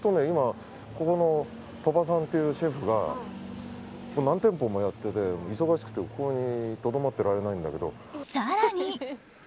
ここの鳥羽さんというシェフが何店舗もやってて、忙しくてここにとどまってられないんだけど。